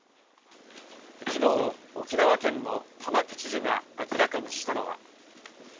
きのう、沖縄県の玉城知事が明らかにしたのは。